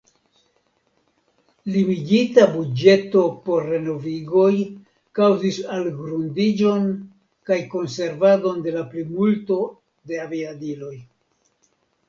Limigita buĝeto por renovigoj kaŭzis algrundiĝon kaj konservadon de la plimulto de aviadiloj.